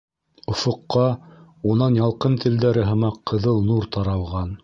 Офоҡҡа унан ялҡын телдәре һымаҡ ҡыҙыл нур таралған.